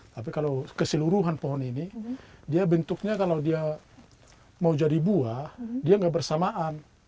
tapi kalau keseluruhan pohon ini dia bentuknya kalau dia mau jadi buah dia nggak bersamaan